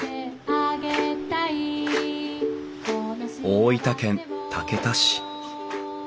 大分県竹田市。